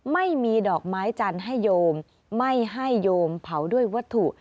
ไม่มีดอกไม้จันทร์ให้โยมไม่ให้โยมเผาด้วยวัตถุ